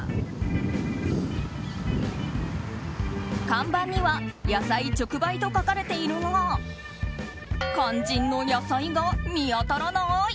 看板には「野菜直売」と書かれているが肝心の野菜が見当たらない。